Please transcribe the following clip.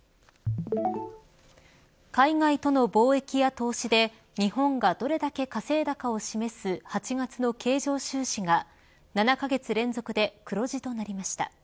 海外との貿易や投資で日本がどれだけ稼いだかを示す８月の経常収支が７カ月連続で黒字となりました。